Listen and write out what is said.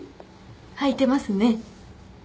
はいてますね。